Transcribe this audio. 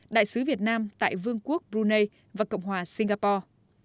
đại sứ việt nam tại vương quốc brunei và cộng hòa singapore